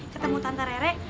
ketemu tante rere